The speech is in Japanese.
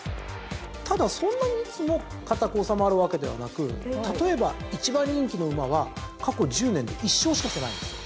ただそんなにいつも堅く収まるわけではなく例えば１番人気の馬は過去１０年で１勝しかしてないんですよ。